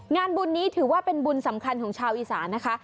งานบุญนี้ถือว่าเป็นบุญสำคัญของชาวอีสานนะคะ